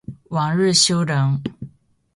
王日休人。